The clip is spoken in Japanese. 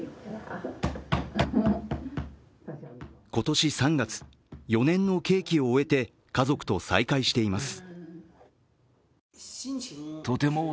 今年３月、４年の刑期を終えて家族と再会しています。